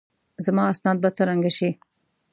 زما اسناد به څرنګه شي؟